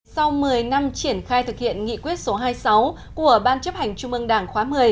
sau một mươi năm triển khai thực hiện nghị quyết số hai mươi sáu của ban chấp hành trung ương đảng khóa một mươi